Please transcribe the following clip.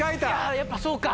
やっぱそうか。